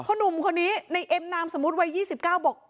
หนุ่มคนนี้ในเอ็มนามสมมุติวัย๒๙บอก